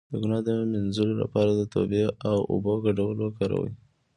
د ګناه د مینځلو لپاره د توبې او اوبو ګډول وکاروئ